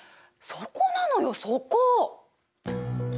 そこなのよそこ！